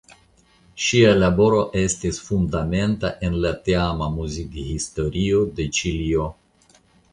Ŝia laboro estis fundamenta en la tiama muzikhistorio de Ĉilio.